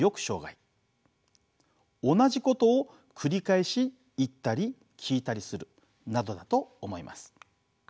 同じことを繰り返し言ったり聞いたりするなどだと思います。